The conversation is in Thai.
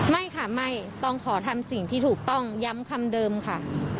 ไม่ค่ะไม่ต้องขอทำสิ่งที่ถูกต้องย้ำคำเดิมค่ะ